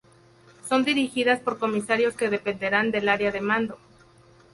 Son dirigidas por Comisarios que dependerán del Área de Mando.